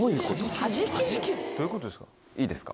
どういうことですか？